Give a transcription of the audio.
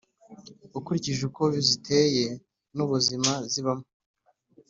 ukurikije uko ziteye n’ubuzima zibamo,